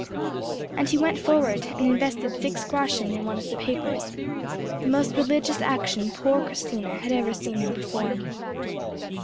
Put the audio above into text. And he went forward, and invested six groschen in one of the papers, the most religious action poor Christina had ever seen him perform.